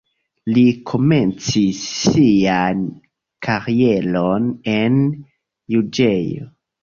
Li komencis sian karieron en juĝejo.